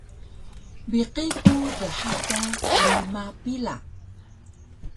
Biqi ku dha ka rima pila